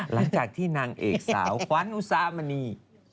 หรังจากที่นางเอกสาวควันอุซามานี